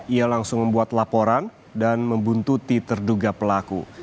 ia langsung membuat laporan dan membuntuti terduga pelaku